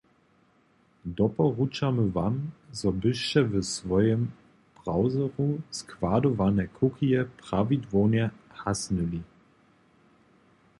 Doporučamy wam, zo byšće w swojim browseru składowane cookieje prawidłownje hasnyli.